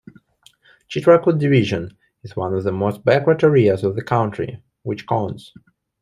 Chitrakoot division is one of the most backward areas of the country, which cons.